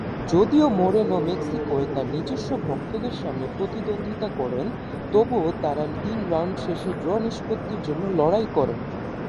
যদিও মোরেনো মেক্সিকোয় তার নিজস্ব ভক্তদের সামনে প্রতিদ্বন্দ্বিতা করেন, তবুও তারা তিন রাউন্ড শেষে ড্র নিষ্পত্তির জন্য লড়াই করেন।